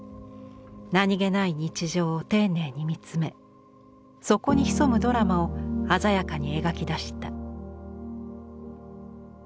何気ない日常を丁寧に見つめそこに潜むドラマを鮮やかに描き出した。